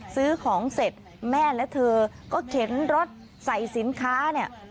ซื้อของเสร็จแม่และเธอก็เข็นรถใส่สินค้าเนี่ย